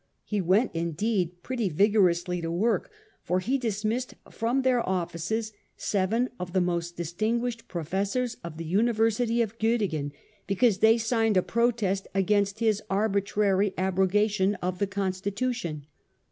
He went indeed pretty vigorously to work, for he dis missed from their offices seven of the most distin guished professors of the University of Gottingen, because they signed a protest against his arbitrary abrogation of the constitution.